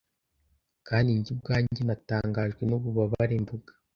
kandi njye ubwanjye natangajwe n'ububabare mvuga